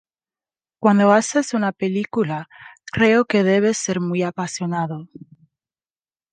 Cuando haces una película, creo que debes ser muy apasionado.